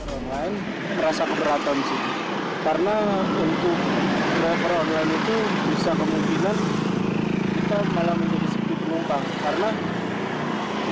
jalan berbahaya merasa keberatan karena untuk raperda online itu bisa kemungkinan kita malah menjadi sepi penumpang karena